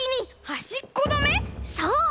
そう！